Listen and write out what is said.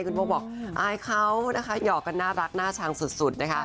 คุณโพกบอกอายเขาต้องหยอกกันหน้าลักหน้าชางสุดสุด